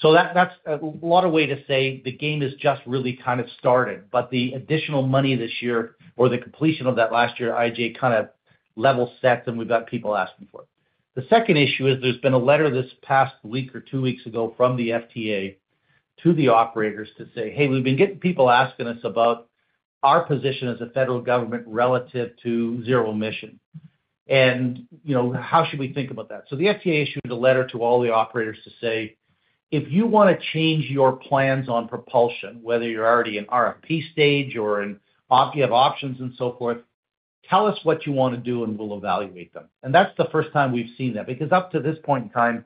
That's a lot of ways to say the game has just really kind of started. The additional money this year or the completion of that last year IJ kind of level sets and we've got people asking for it. The second issue is there's been a letter this past week or two weeks ago from the FTA to the operators to say, "Hey, we've been getting people asking us about our position as a federal government relative to zero-emission. And you know, how should we think about that?" The FTA issued a letter to all the operators to say, "If you want to change your plans on propulsion, whether you're already in RFP stage or if you have options and so forth, tell us what you want to do and we'll evaluate them." That's the first time we've seen that because up to this point in time,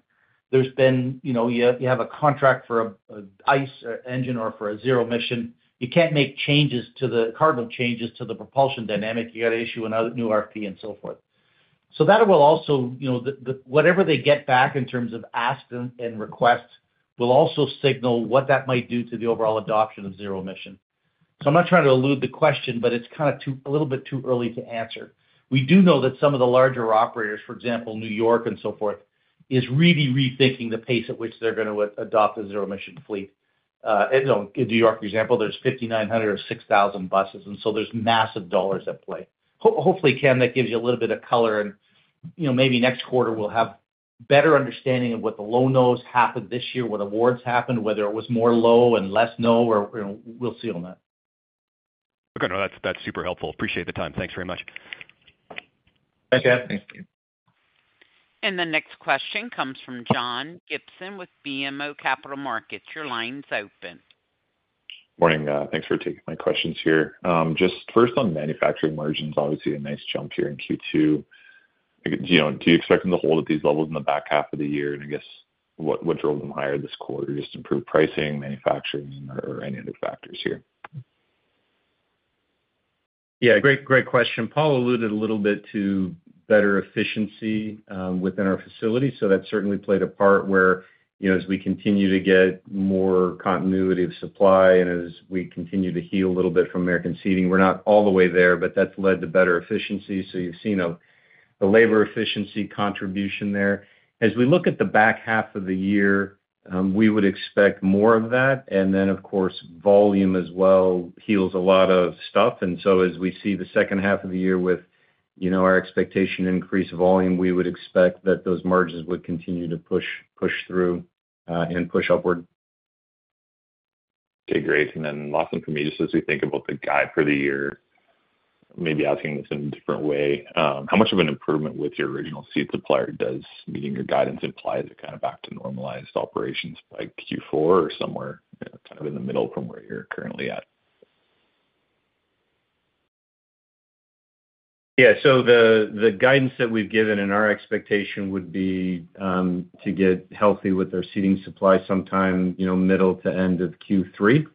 there's been, you know, you have a contract for an ICE or for a zero-emission. You can't make changes to the, pardon me, changes to the propulsion dynamic. You got to issue another new RFP and so forth. Whatever they get back in terms of ask and request will also signal what that might do to the overall adoption of zero-emission. I'm not trying to elude the question, but it's kind of a little bit too early to answer. We do know that some of the larger operators, for example, New York and so forth, are really rethinking the pace at which they're going to adopt a zero-emission fleet. In New York example, there's 5,900 buses or 6,000 buses, and so there's massive dollars at play. Hopefully, Cam, that gives you a little bit of color, and you know, maybe next quarter we'll have a better understanding of what the low-nos happened this year, what awards happened, whether it was more low and less no, or you know, we'll see on that. Okay, no, that's super helpful. Appreciate the time. Thanks very much. Thanks, Cam. The next question comes from John Gibson with BMO Capital Markets. Your line's open. Morning. Thanks for taking my questions here. Just first on manufacturing margins, obviously a nice jump here in Q2. Do you expect them to hold at these levels in the back half of the year? I guess what drove them higher this quarter? Just improved pricing, manufacturing, or any other factors here? Yeah, great question. Paul alluded a little bit to better efficiency within our facility. That certainly played a part where, as we continue to get more continuity of supply and as we continue to heal a little bit from American Seating, we're not all the way there, but that led to better efficiency. You've seen the labor efficiency contribution there. As we look at the back half of the year, we would expect more of that. Of course, volume as well heals a lot of stuff. As we see the second half of the year with our expectation to increase volume, we would expect that those margins would continue to push through and push upward. Okay, great. Last one for me, just as we think about the guide for the year, maybe asking this in a different way. How much of an improvement with your original seat supplier does meeting your guidance imply that you're kind of back to normalized operations by Q4 or somewhere kind of in the middle from where you're currently at? Yeah, so the guidance that we've given and our expectation would be to get healthy with our seating supply sometime, you know, middle to end of Q3.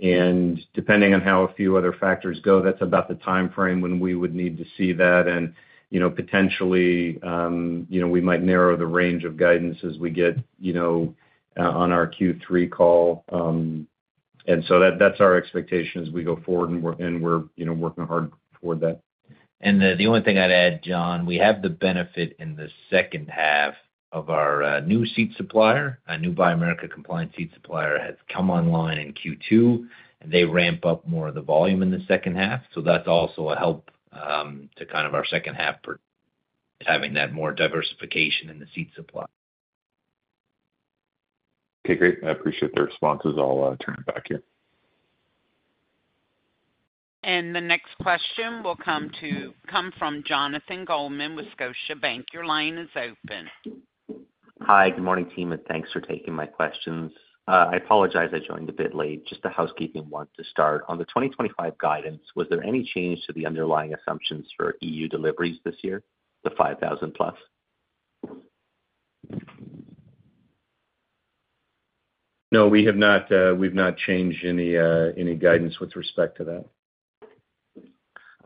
Depending on how a few other factors go, that's about the timeframe when we would need to see that. Potentially, you know, we might narrow the range of guidance as we get, you know, on our Q3 call. That's our expectation as we go forward, and we're, you know, working hard toward that. The only thing I'd add, John, we have the benefit in the second half of our new seat supplier. A new Buy America compliant seat supplier has come online in Q2, and they ramp up more of the volume in the second half. That is also a help to our second half, having that more diversification in the seat supply. Okay, great. I appreciate their responses. I'll turn it back here. The next question will come from Jonathan Goldman with Scotiabank. Your line is open. Hi, good morning, team, and thanks for taking my questions. I apologize I joined a bit late. Just a housekeeping one to start. On the 2025 guidance, was there any change to the underlying assumptions for EU deliveries this year, the 5,000+? No, we have not. We've not changed any guidance with respect to that.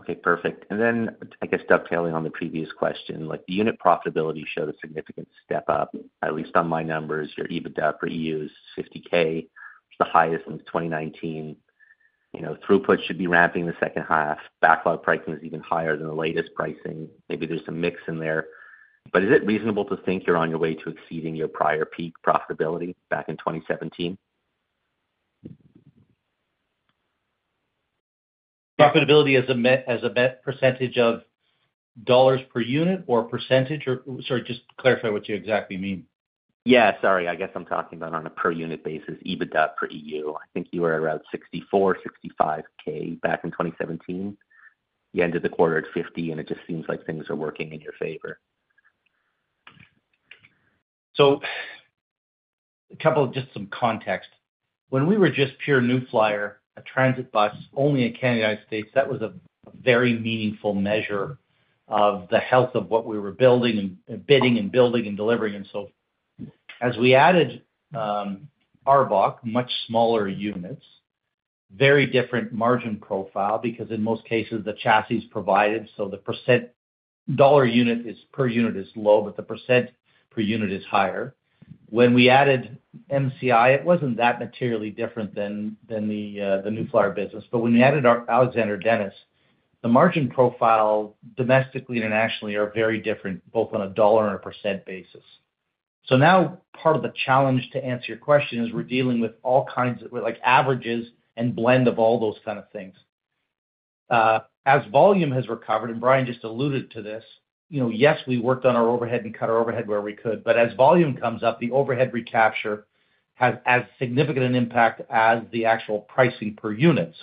Okay, perfect. I guess, dovetailing on the previous question, the unit profitability showed a significant step up, at least on my numbers. Your EBITDA for EU is $50,000, the highest since 2019. Throughput should be ramping in the second half. Backlog pricing is even higher than the latest pricing. Maybe there's some mix in there. Is it reasonable to think you're on your way to exceeding your prior peak profitability back in 2017? Profitability as a net percentage of dollars per unit or percentage? Sorry, just clarify what you exactly mean. Yeah, sorry. I guess I'm talking about on a per unit basis, EBITDA for EU. I think you were around $64,000, $65,000 back in 2017. You ended the quarter at $50,000, and it just seems like things are working in your favor. A couple of just some context. When we were just pure New Flyer, a transit bus only in the U.S., that was a very meaningful measure of the health of what we were building and bidding and building and delivering. As we added ARBOC, much smaller units, very different margin profile because in most cases, the chassis provided, so the dollar per unit is low, but the percent per unit is higher. When we added MCI, it wasn't that materially different than the New Flyer business. When we added Alexander Dennis, the margin profile domestically and nationally are very different, both on a dollar and a percent basis. Part of the challenge to answer your question is we're dealing with all kinds of averages and blend of all those kinds of things. As volume has recovered, and Brian just alluded to this, yes, we worked on our overhead and cut our overhead where we could, but as volume comes up, the overhead recapture has as significant an impact as the actual pricing per unit.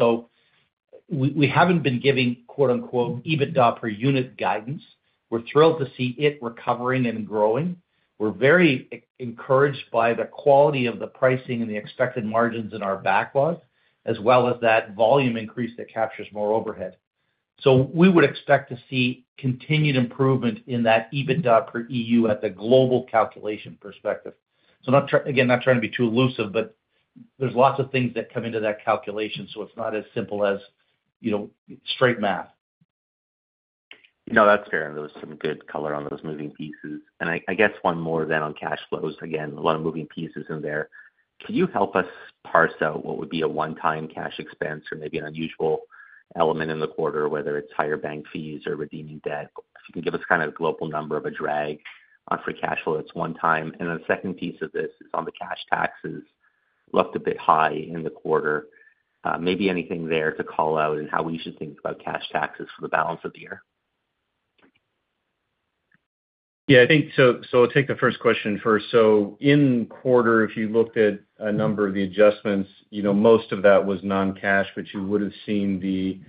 We haven't been giving "EBITDA per unit" guidance. We're thrilled to see it recovering and growing. We're very encouraged by the quality of the pricing and the expected margins in our backlog, as well as that volume increase that captures more overhead. We would expect to see continued improvement in that EBITDA for EU at the global calculation perspective. Not trying to be too elusive, but there's lots of things that come into that calculation, so it's not as simple as straight math. That's fair. There was some good color on those moving pieces. I guess one more on cash flows. Again, a lot of moving pieces in there. Can you help us parse out what would be a one-time cash expense or maybe an unusual element in the quarter, whether it's higher bank fees or redeeming debt? Can you give us kind of a global number of a drag on free cash flow that's one-time? The second piece of this is on the cash taxes left a bit high in the quarter. Maybe anything there to call out and how we should think about cash taxes for the balance of the year. Yeah, I think so. I'll take the first question first. In quarter, if you looked at a number of the adjustments, most of that was non-cash, but you would have seen the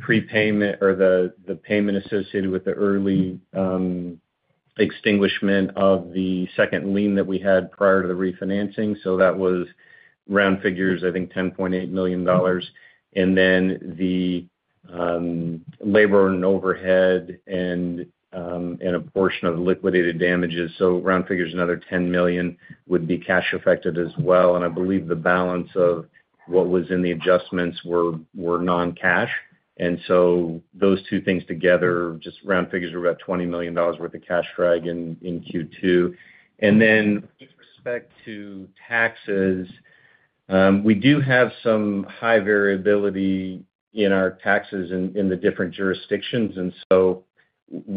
prepayment or the payment associated with the early extinguishment of the second lien that we had prior to the refinancing. That was, round figures, I think $10.8 million. The labor and overhead and a portion of the liquidated damages, round figures, another $10 million would be cash affected as well. I believe the balance of what was in the adjustments were non-cash. Those two things together, just round figures, were about $20 million worth of cash drag in Q2. With respect to taxes, we do have some high variability in our taxes in the different jurisdictions.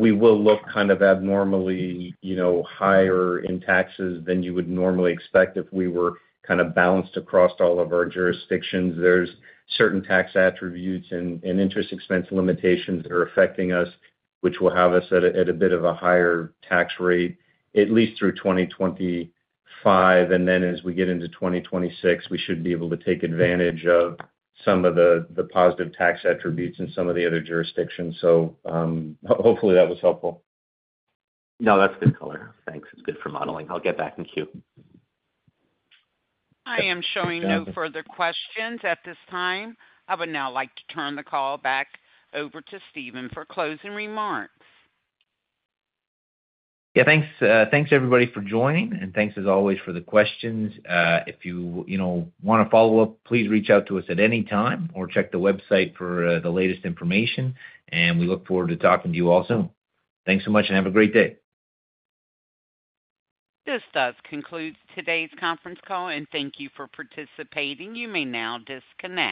We will look kind of abnormally higher in taxes than you would normally expect if we were kind of balanced across all of our jurisdictions. There are certain tax attributes and interest expense limitations that are affecting us, which will have us at a bit of a higher tax rate, at least through 2025. As we get into 2026, we should be able to take advantage of some of the positive tax attributes in some of the other jurisdictions. Hopefully, that was helpful. No, that's good color. Thanks. It's good for modeling. I'll get back in queue. I am showing no further questions at this time. I would now like to turn the call back over to Stephen for closing remarks. Yeah, thanks. Thanks, everybody, for joining, and thanks, as always, for the questions. If you want to follow up, please reach out to us at any time or check the website for the latest information. We look forward to talking to you all soon. Thanks so much, and have a great day. This does conclude today's conference call, and thank you for participating. You may now disconnect.